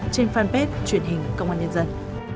trên fanpage truyền hình công an nhân dân